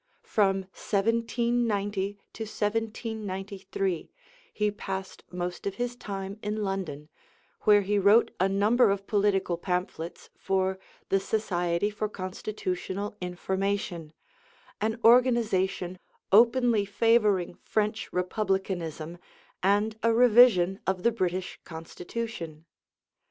From 1790 to 1793 he passed most of his time in London, where he wrote a number of political pamphlets for the Society for Constitutional Information, an organization openly favoring French Republicanism and a revision of the British Constitution.